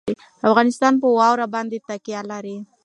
افغانستان په واوره باندې تکیه لري.